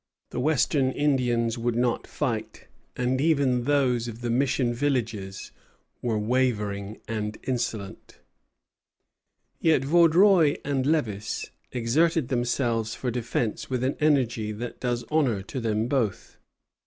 The Western Indians would not fight, and even those of the mission villages were wavering and insolent. Yet Vaudreuil and Lévis exerted themselves for defence with an energy that does honor to them both.